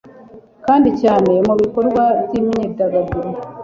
kandi cyane mubikorwa byimyidagaduro